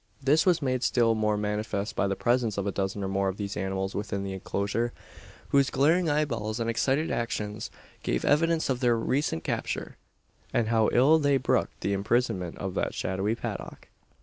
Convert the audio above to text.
This was made still more manifest by the presence of a dozen or more of these animals within the enclosure; whose glaring eyeballs, and excited actions, gave evidence of their recent capture, and how ill they brooked the imprisonment of that shadowy paddock.